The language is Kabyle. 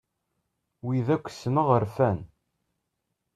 Wid akk ssneɣ rfan.